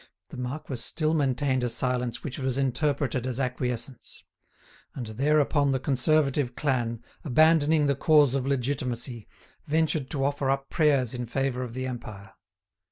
The marquis still maintained a silence which was interpreted as acquiescence. And thereupon the Conservative clan, abandoning the cause of Legitimacy, ventured to offer up prayers in favour of the Empire.